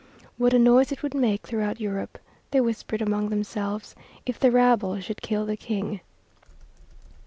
"What a noise it would make throughout Europe," they whispered among themselves, "if the rabble should kill the King."